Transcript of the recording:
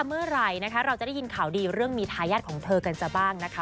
เมื่อไหร่นะคะเราจะได้ยินข่าวดีเรื่องมีทายาทของเธอกันจะบ้างนะคะ